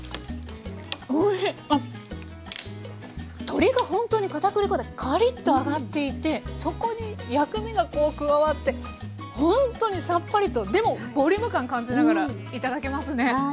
鶏がほんとにかたくり粉でカリッと揚がっていてそこに薬味がこう加わってほんとにさっぱりとでもボリューム感感じながら頂けますね。